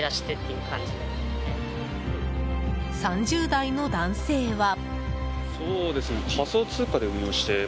３０代の男性は。